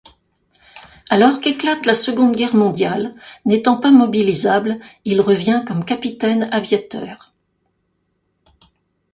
Alors qu'éclate la Seconde Guerre mondiale, n'étant pas mobilisable, il revient comme capitaine aviateur.